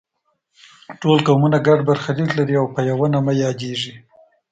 ټول قومونه ګډ برخلیک لري او په یوه نامه یادیږي.